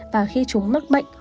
và khi chúng mắc bệnh